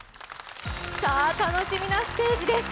さあ、楽しみなステージです。